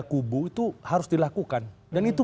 kubu itu harus dilakukan dan itu